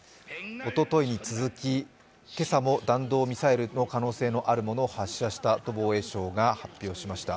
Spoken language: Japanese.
おとといに続き、今朝も弾道ミサイルの可能性のあるものを発射したと防衛省が発表しました。